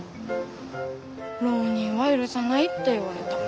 浪人は許さないって言われた。